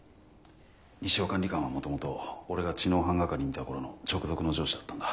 西尾管理官は元々俺が知能犯係にいた頃の直属の上司だったんだ。